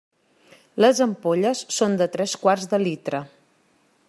Les ampolles són de tres quarts de litre.